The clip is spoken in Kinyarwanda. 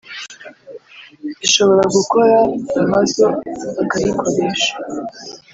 Bishobora gukora nkazo akabikoresha